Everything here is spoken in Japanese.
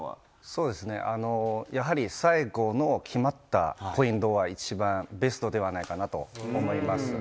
そうですね、やはり最後の決まったポイントが一番ベストではないかなと思います。